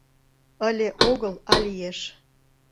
— «Ыле» огыл, а лиеш!